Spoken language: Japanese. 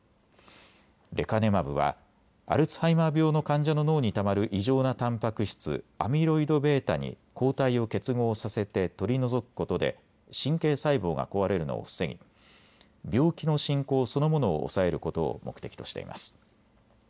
レカネマブはアルツハイマー病の患者の脳にたまる異常なたんぱく質、アミロイドβに抗体を結合させて取り除くことで神経細胞が壊れるのを防ぎ病気の進行そのものを抑えることを目的としています。